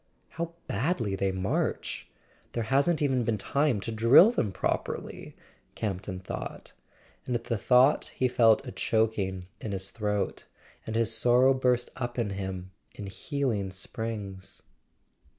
"How badly they march—there hasn't even been time to drill them properly!" Campton thought; and at the thought he felt a choking in his throat, and his sorrow burst up in him in healing springs.